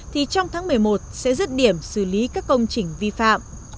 thì trong tháng một mươi một sẽ dứt điểm xử lý các công trình vi phạm